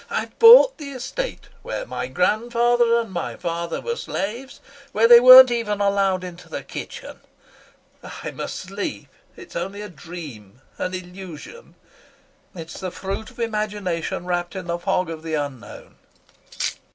I've bought the estate where my grandfather and my father were slaves, where they weren't even allowed into the kitchen. I'm asleep, it's only a dream, an illusion.... It's the fruit of imagination, wrapped in the fog of the unknown....